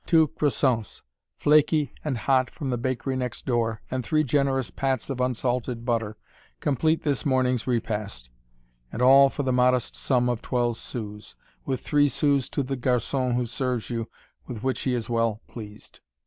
Two crescents, flaky and hot from the bakery next door, and three generous pats of unsalted butter, complete this morning repast, and all for the modest sum of twelve sous, with three sous to the garçon who serves you, with which he is well pleased.